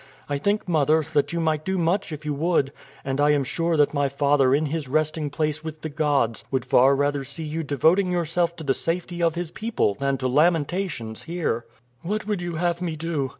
I think, mother, that you might do much if you would; and I am sure that my father in his resting place with the gods would far rather see you devoting yourself to the safety of his people than to lamentations here." "What would you have me do?"